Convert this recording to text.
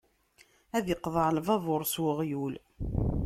Ad iqḍeɛ lbabuṛ s uɣyul.